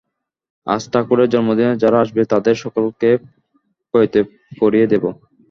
আজ ঠাকুরের জন্মদিনে যারা আসবে, তাদের সকলকে পৈতে পরিয়ে দেব।